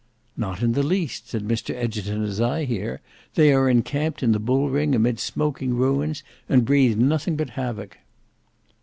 "Not in the least," said Mr Egerton, "as I hear. They are encamped in the Bull Ring amid smoking ruins, and breathe nothing but havoc."